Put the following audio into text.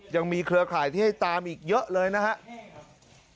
เครือข่ายที่ให้ตามอีกเยอะเลยนะครับ